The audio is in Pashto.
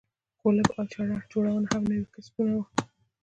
کولپ او چړه جوړونه هم نوي کسبونه وو.